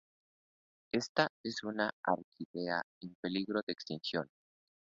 Esta es una orquídea en peligro de extinción.